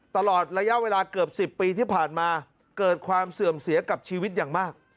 ตลอดระยะเวลาเกือบ๑๐ปีที่ผ่านมาเกิดความเสื่อมเสียกับชีวิตอย่างมาก